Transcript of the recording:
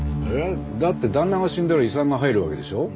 だって旦那が死んだら遺産が入るわけでしょ？